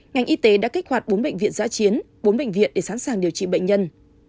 ngành y tế đã kích hoạt bốn bệnh viện giã chiến bốn bệnh viện để sẵn sàng điều trị bệnh nhân